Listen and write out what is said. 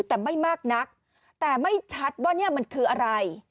แต่ไม่มากนักแต่ไม่ชัดว่าเนี่ยมันคืออะไร